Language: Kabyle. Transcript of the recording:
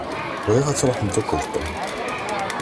Bɣiɣ ad tṛuḥemt akked Tom.